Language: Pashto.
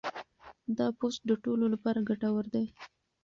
دا پوسټ د ټولو لپاره ګټور دی.